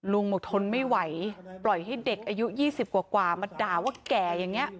ลุงบอกทนไม่ไหวปล่อยให้เด็กอายุ๒๐กว่ามาด่าว่าแก่อย่างนี้